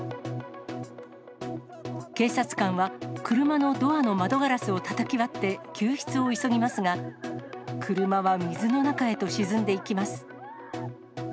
警察官は車のドアの窓ガラスをたたき割って救出を急ぎますが、車は水の中へと沈んでいきます。